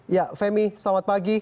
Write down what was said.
ya femi selamat pagi